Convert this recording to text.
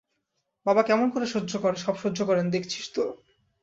বাবা কেমন করে সব সহ্য করেন দেখেছিস তো?